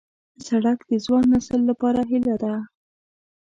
سړک د ځوان نسل لپاره هیله ده.